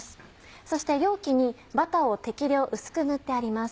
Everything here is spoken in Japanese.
そして容器にバターを適量薄く塗ってあります。